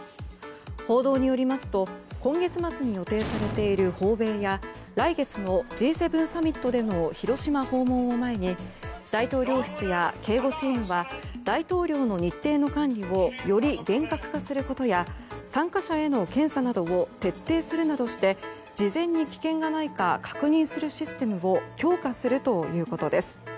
報道によりますと今月末に予定されている訪米や来月のＧ７サミットでの広島訪問を前に大統領室や警護チームは大統領の日程の管理をより厳格化することや参加者への検査などを徹底するなどして事前に危険がないか確認するシステムを強化するということです。